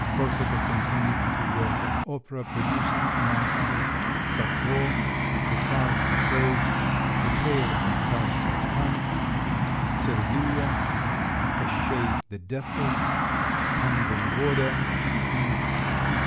Korsakov continued to work at opera, producing, among others, "Sadko," "The Czar's Betrothed," "The Tale of Czar Saltan," "Servilia," "Kostchei the Deathless," "Pan Voyvoda," and "Kitej."